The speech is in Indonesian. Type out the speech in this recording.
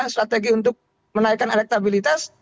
strategi untuk menaikkan elektabilitas